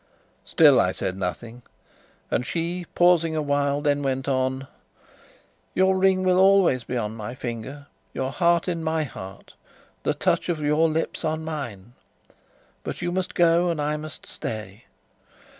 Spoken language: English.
Still I said nothing; and she, pausing a while, then went on: "Your ring will always be on my finger, your heart in my heart, the touch of your lips on mine. But you must go and I must stay.